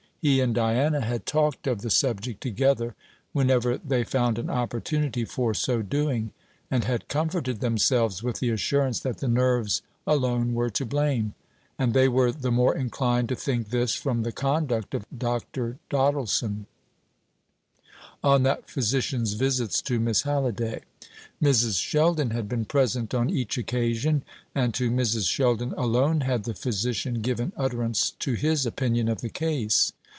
He and Diana had talked of the subject together whenever they found an opportunity for so doing, and had comforted themselves with the assurance that the nerves alone were to blame; and they were the more inclined to think this from the conduct of Dr. Doddleson, on that physician's visits to Miss Halliday. Mrs. Sheldon had been present on each occasion, and to Mrs. Sheldon alone had the physician given utterance to his opinion of the case.